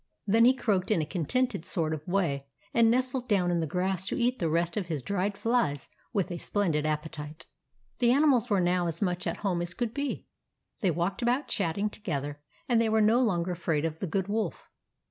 Then he croaked in a contented sort of way, and nestled down in the grass to eat the rest of his dried flies with a splendid appetite. The animals were now as much at home as could be. They walked about chatting together, and they were no longer afraid of the Good Wolf.